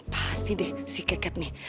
pasti deh si keket nih